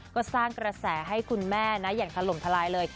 ก็สร้างกระแสให้คุณแม่นะอย่างถล่มทลายเลย